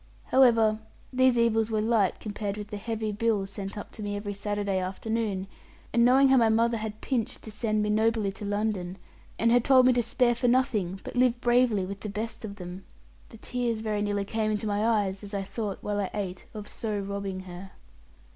However, these evils were light compared with the heavy bill sent up to me every Saturday afternoon; and knowing how my mother had pinched to send me nobly to London, and had told me to spare for nothing, but live bravely with the best of them, the tears very nearly came into my eyes, as I thought, while I ate, of so robbing her.